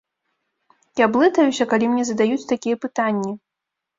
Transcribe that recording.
Я блытаюся, калі мне задаюць такія пытанні.